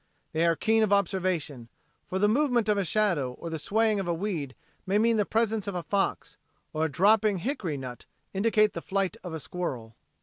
They are keen of observation, for the movement of a shadow or the swaying of a weed may mean the presence of a fox, or a dropping hickory nut indicate the flight of a squirrel.